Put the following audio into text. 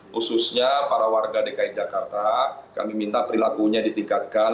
khususnya para warga dki jakarta kami minta perilakunya ditingkatkan